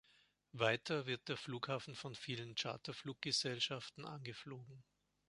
Weiter wird der Flughafen von vielen Charterfluggesellschaften angeflogen.